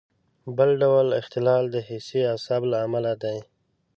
بل ډول اختلال د حسي عصب له امله دی.